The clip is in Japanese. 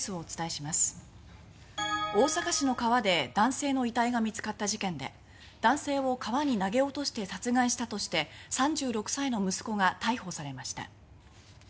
大阪市の川で男性の遺体が見つかった事件で男性を川に投げ落として殺害したとして３６歳の息子が逮捕されました。